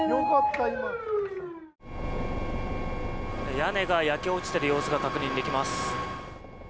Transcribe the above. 屋根が焼け落ちている様子が確認できます。